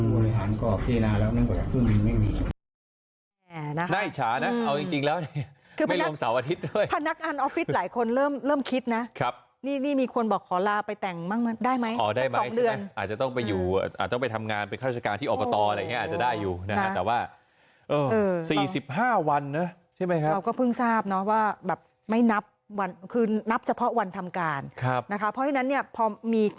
บริฐานก็ออกไปนานแล้วนึกว่าอย่างสู้นินไม่มี